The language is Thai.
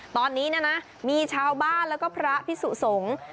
ตอนนี้นะมีชาวบ้านแล้วก็พระพิสุสงฆ์